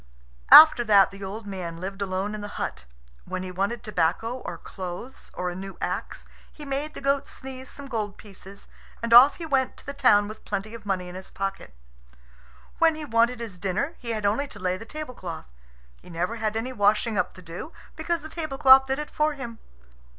After that the old man lived alone in the hut. When he wanted tobacco or clothes or a new axe, he made the goat sneeze some gold pieces, and off he went to the town with plenty of money in his pocket. When he wanted his dinner he had only to lay the tablecloth. He never had any washing up to do, because the tablecloth did it for him.